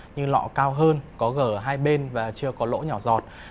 như lọ cao hơn có gở hai bên và chưa có lỗ nhỏ giọt